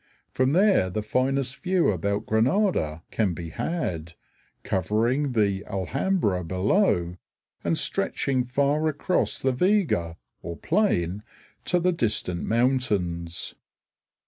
From there the finest view about Granada can be had, covering the Alhambra below and stretching far across the vega (plain) to the distant mountains.